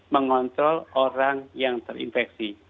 mengontrol orang yang terinfeksi